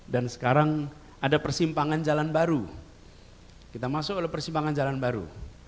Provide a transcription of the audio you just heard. dan sekarang ada persimpangan jalan baru kita masuk oleh persimpangan jalan baru